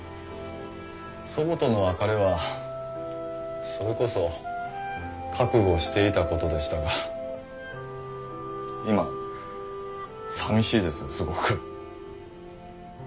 祖母との別れはそれこそ覚悟していたことでしたが今寂しいですすごく。